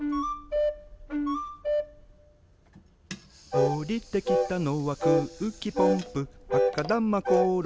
「おりてきたのはくうきポンプ」「あかだまころり」